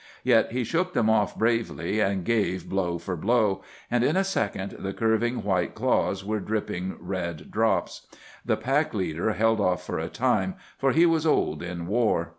Yet he shook them off bravely and gave blow for blow, and in a second the curving white claws were dripping red drops. The pack leader held off for a time, for he was old in war.